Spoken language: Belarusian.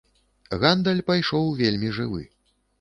Гандаль пайшоў вельмі жывы.